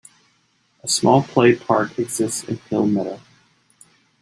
A small play park exists in Hill Meadow.